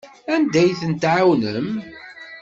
Anda ay ten-tɛawnem?